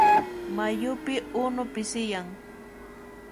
Mayupi unu pisiyan.